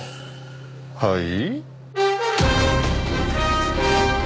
はい？